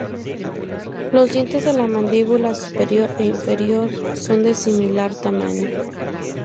Los dientes de la mandíbula superior e inferior son de similar tamaño.